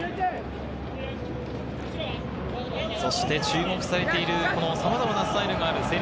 注目されている、さまざまなスタイルがある成立